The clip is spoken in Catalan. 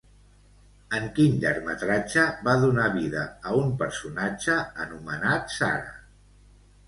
En quin llargmetratge va donar vida a un personatge anomenat Sara?